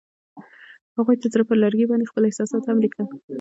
هغوی د زړه پر لرګي باندې خپل احساسات هم لیکل.